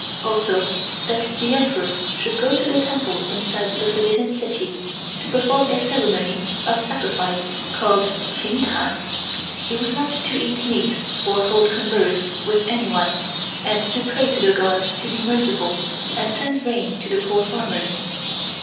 Also that the Emperor should go to the temple inside the Forbidden City, to perform a ceremony of sacrifice (called Chin Tan). He was not to eat meat or hold converse with anyone, and to pray to the Gods to be merciful and send rain to the poor farmers.